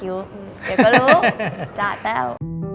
เดี๋ยวก็รู้จ้าแต้ว